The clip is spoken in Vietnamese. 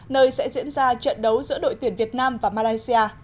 nơi sẽ diễn ra trận đấu giữa đội tuyển việt nam và malaysia